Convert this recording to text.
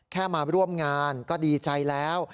แค่มาร่วมงานก็ดีใจแล้ว